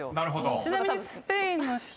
ちなみに。